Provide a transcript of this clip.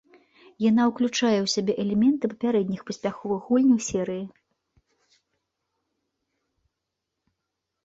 Яна ўключае ў сябе элементы папярэдніх паспяховых гульняў серыі.